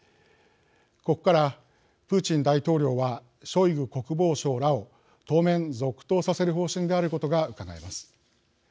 ここからプーチン大統領はショイグ国防相らを当面続投させる方針であることがうかがえます。